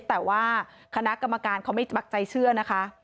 แต่ว่าคณะกรรมการเขาไม่ปักใจเชื่อนะคะ